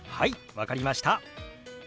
分かりました。